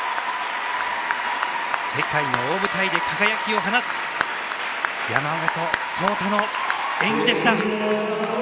世界の大舞台で輝きを放つ山本草太の演技でした。